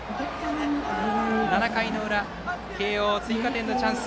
７回の裏、慶応追加点のチャンス。